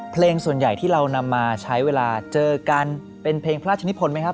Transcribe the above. เพลงส่วนใหญ่ที่เรานำมาใช้เวลาเจอกันเป็นเพลงพระราชนิพลไหมครับ